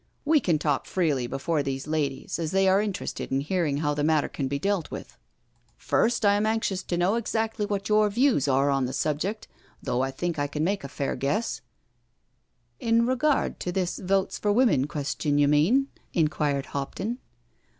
" We can talk freely before these ladies, as they are interested in hearing how the matter can be dealt with. 34 NO SURRENDER First, I am anxious to know exactly what your views are on the subject, though I think I can make a fair guess /•In regard to this Votes for Women question, you mean?" inquired Hopton.